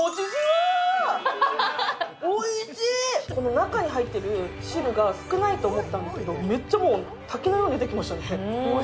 中に入っている汁が少ないと思ったんですけど、めっちゃ滝のように出てきましたね。